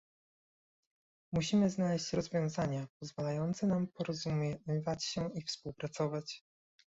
musimy znaleźć rozwiązania pozwalające nam porozumiewać się i współpracować